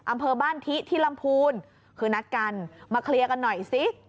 อำเภอบ้านทิที่ลำพูนคือนัดกันมาเคลียร์กันหน่อยสิ